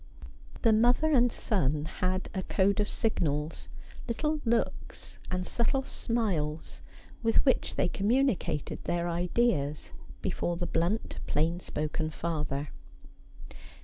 The mother and son had a code of signals, little looks and subtle smiles, with which they communicated their ideas before the blunt plain spoken father.